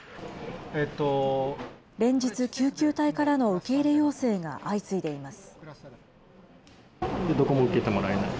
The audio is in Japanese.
連日、救急隊からの受け入れ要請が相次いでいます。